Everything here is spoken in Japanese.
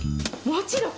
もちろん！